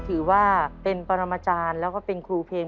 ถือว่าเป็นปรมาจารย์แล้วก็เป็นครูเพลง